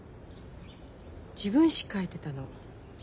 自分史書いてたの。